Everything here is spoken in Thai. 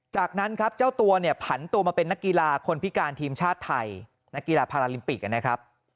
จากนั้นครับเจ้าตัวเนี่ยผันตัวมาเป็นนักกีฬาคนพิการทีมชาติไทยนักกีฬาพาราลิมปิกนะครับ